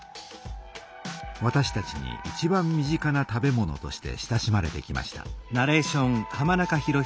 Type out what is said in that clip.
わたしたちにいちばん身近な食べ物として親しまれてきました。